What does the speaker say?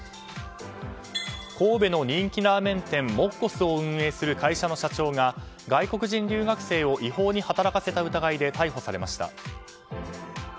神戸の人気ラーメン店もっこすを運営する会社の社長が外国人留学生を違法に働かせた疑いで逮捕されました。